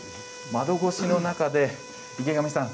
窓越しの中で池上さん